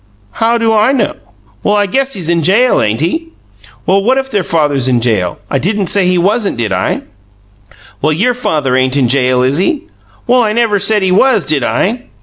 "How do I know?" "Well, I guess he's in jail, ain't he?" "Well, what if their father is in jail? I didn't say he wasn't, did I?" "Well, YOUR father ain't in jail, is he?" "Well, I never said he was, did I?"